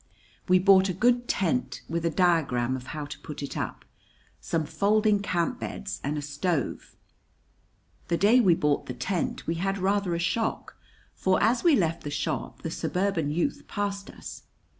We bought a good tent, with a diagram of how to put it up, some folding camp beds, and a stove. The day we bought the tent we had rather a shock, for as we left the shop the suburban youth passed us.